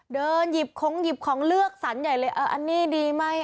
เดินหยิบของหยิบของเลือกสรรใหญ่เลยเอออันนี้ดีไหม